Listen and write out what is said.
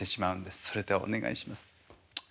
それではお願いします。